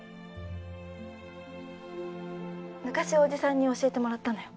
昔おじさんに教えてもらったのよ。